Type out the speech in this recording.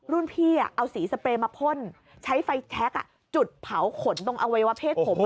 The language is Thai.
รุ่นพี่เอาสีสเปรย์มาพ่นใช้ไฟแชคจุดเผาขนตรงอวัยวะเพศผม